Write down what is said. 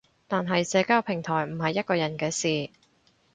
但係社交平台唔係一個人嘅事